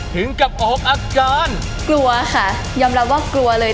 ถึงกับออกอาการกลัวค่ะยอมรับว่ากลัวเลย